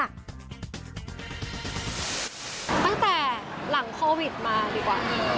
ตั้งแต่หลังโควิดมาดีกว่าพี่